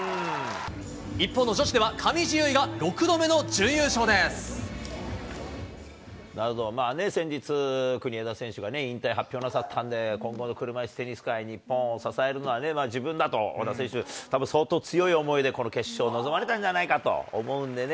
一方の女子では、先日、国枝選手がね、引退発表なさったんで、今後の車いすテニス界、日本を支えるのは自分だと小田選手、たぶん相当強い思いでこの決勝、臨まれたんじゃないかと思うんでね。